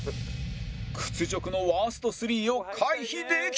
屈辱のワースト３を回避できたのは